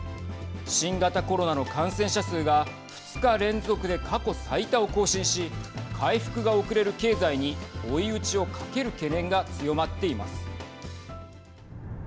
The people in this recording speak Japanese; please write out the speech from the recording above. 新型コロナの感染者数が２日連続で過去最多を更新し回復が遅れる経済に追い打ちをかける懸念が強まっています。